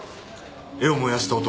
絵を燃やした男。